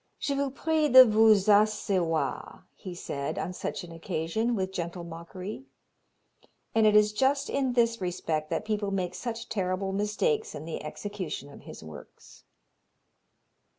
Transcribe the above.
'Je vous prie de vous asseoir,' he said, on such an occasion, with gentle mockery. And it is just in this respect that people make such terrible mistakes in the execution of his works."